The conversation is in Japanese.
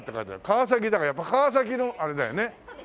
川崎だからやっぱ川崎のあれだよね。